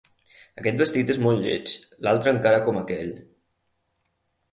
Aquest vestit és molt lleig; l'altre encara com aquell.